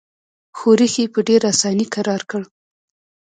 ښورښ یې په ډېره اساني کرار کړ.